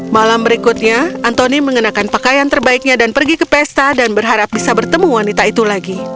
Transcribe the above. malam berikutnya antoni mengenakan pakaian terbaiknya dan pergi ke pesta dan berharap bisa bertemu wanita itu lagi